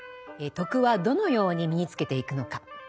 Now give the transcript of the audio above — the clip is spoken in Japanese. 「徳」はどのように身につけていくのか。